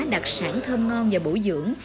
đặc sản thơm ngon và bổ dưỡng